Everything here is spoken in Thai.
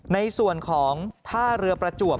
ในส่วนของท่าเรือประจวบ